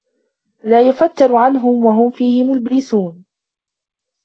لا يُفَتَّرُ عَنهُم وَهُم فيهِ مُبلِسونَ